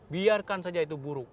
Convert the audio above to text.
biarkan saja itu buruk